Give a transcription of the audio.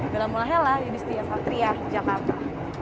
dalam mulai lah ini istriya satria jakarta